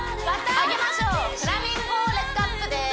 上げましょうフラミンゴ・レッグアップです